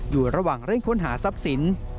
อยู่ระหว่างเร่งค้นหาทรัพย์สิน